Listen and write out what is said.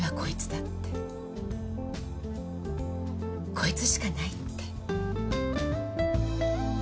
「こいつしかない」って。それが。